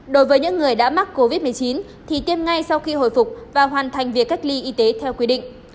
đối với những người đã mắc covid một mươi chín thì tiêm ngay sau khi hồi phục và hoàn thành việc cách ly y tế theo quy định